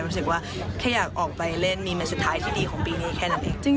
รู้สึกว่าแค่อยากออกไปเล่นมีแมทสุดท้ายที่ดีของปีนี้แค่นั้นเอง